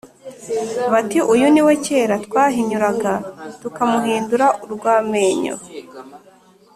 bati «Uyu ni we kera twahinyuraga tukamuhindura urw’amenyo!